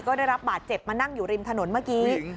ก็ได้รับบาดเจ็บมานั่งอยู่ริมถนนเมื่อกี้